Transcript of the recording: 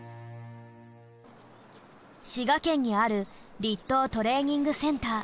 滋賀県にある栗東トレーニング・センター。